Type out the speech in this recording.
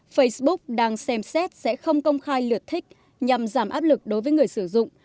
facebook đang xem xét sẽ không công khai lượt thích nhằm giảm áp lực đối với người sử dụng